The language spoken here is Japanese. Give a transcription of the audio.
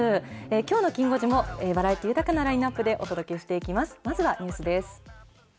きょうのきん５時もバラエティー豊かなラインナップでお届けしていきます。